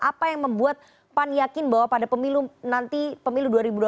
apa yang membuat pan yakin bahwa pada pemilu dua ribu dua puluh empat